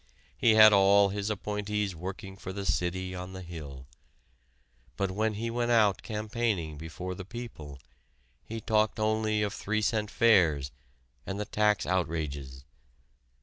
He had all his appointees working for the City on the Hill. But when he went out campaigning before the people he talked only of three cent fares and the tax outrages.